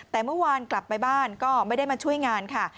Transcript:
แต่เมื่อวานกลับไปบ้านก็ไม่ได้มาช่วยงานค่ะ